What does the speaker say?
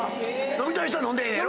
飲みたい人は飲んでええねやろ？